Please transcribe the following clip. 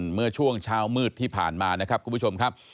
เมื่อช่วงเช้ามืดที่ผ่านมานะครับคุณผู้ชมครับ